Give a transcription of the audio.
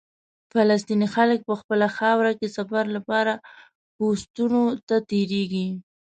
فلسطیني خلک په خپله خاوره کې سفر لپاره پوسټونو ته تېرېږي.